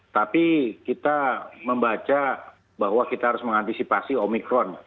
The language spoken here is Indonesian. tapi kita membaca bahwa kita harus mengantisipasi omikron